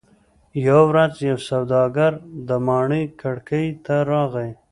یوه ورځ یو سوداګر د ماڼۍ کړکۍ ته راغی.